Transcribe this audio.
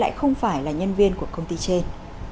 lại không phải là nhân viên của công ty trên